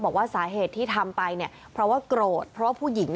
บอกว่าสาเหตุที่ทำไปเพราะว่าโกรธเพราะว่าผู้หญิง